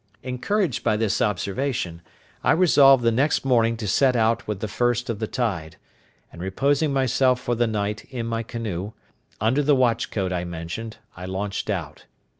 Encouraged by this observation, I resolved the next morning to set out with the first of the tide; and reposing myself for the night in my canoe, under the watch coat I mentioned, I launched out.